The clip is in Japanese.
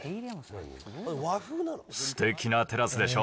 すてきなテラスでしょ？